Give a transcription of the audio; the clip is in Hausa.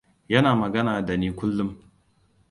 Yana magana da ni kullum.